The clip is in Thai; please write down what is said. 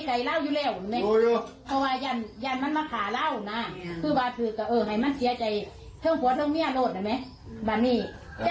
เธอใช้มีการมาข่าพื้นตอนนี้